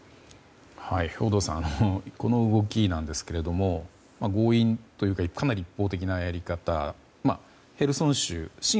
兵頭さん、この動きですが強引というかかなり一方的なやり方でヘルソン州の親